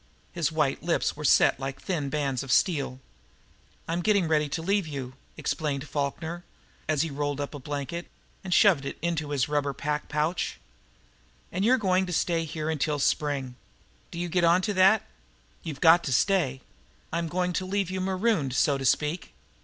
His white lips were set like thin bands of steel. "I'm getting ready to leave you," Falkner explained, as he rolled up a blanket and shoved it into his rubber pack pouch. "And you're going to stay here until spring. Do you get onto that? You've GOT to stay. I'm going to leave you marooned, so to speak.